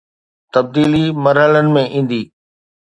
تبديلي مرحلن ۾ ايندي